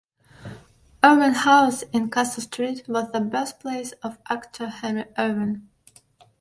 Irving House in Castle Street was the birthplace of actor Henry Irving.